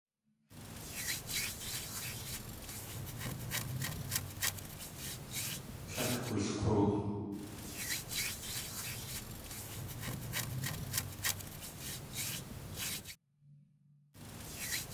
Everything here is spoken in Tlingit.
Tlél wulk̲oo.